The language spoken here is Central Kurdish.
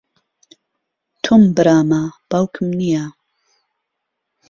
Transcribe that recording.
تۆم برامە، باوکم نییە.